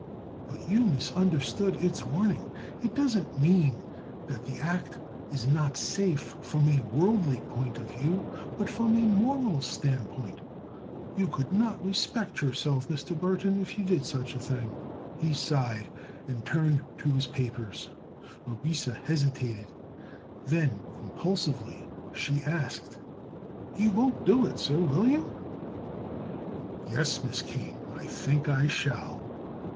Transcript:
But you misunderstand its warning. It doesn't mean that the act is not safe from a worldly point of view, but from a moral standpoint. You could not respect yourself, Mr. Burthon, if you did this thing." He sighed and turned to his papers. Orissa hesitated. Then, impulsively, she asked: "You won't do it, sir; will you?" "Yes, Miss Kane; I think I shall."